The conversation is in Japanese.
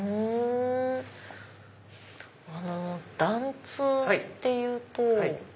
緞通っていうと。